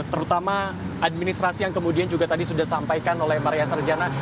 terutama administrasi yang kemudian juga tadi sudah disampaikan oleh maria sarjana